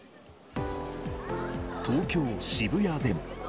東京・渋谷でも。